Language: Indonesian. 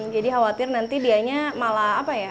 jadi khawatir nanti dianya malah apa ya